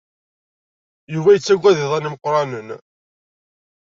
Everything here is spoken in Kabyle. Yuba yettaggad iḍan imeqranen.